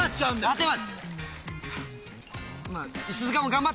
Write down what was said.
立松！